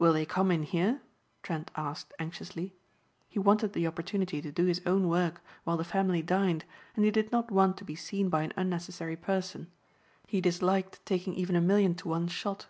"Will they come in here?" Trent asked anxiously. He wanted the opportunity to do his own work while the family dined and he did not want to be seen by an unnecessary person. He disliked taking even a million to one shot.